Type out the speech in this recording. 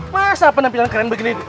masa penampilan keren begini